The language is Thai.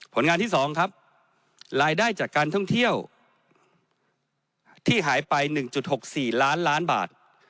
ผลงานที่๒ครับรายได้จากการท่องเที่ยวที่หายไป๑๖๔ล้านล้านบาท